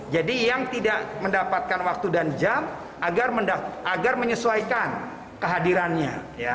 jadi yang tidak mendapatkan waktu dan jam agar menyesuaikan kehadirannya